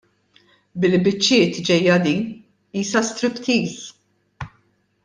Bil-biċċiet ġejja din, qisha striptease!